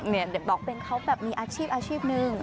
เดี๋ยวบอกเต้นเขาแบบมีอาชีพหนึ่ง